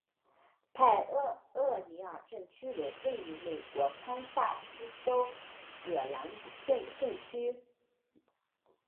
派厄尼尔镇区为位在美国堪萨斯州葛兰姆县的镇区。